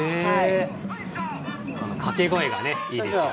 このかけ声がいいですよね。